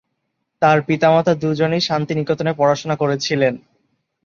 তার পিতামাতা দুজনেই শান্তিনিকেতনে পড়াশোনা করেছিলেন।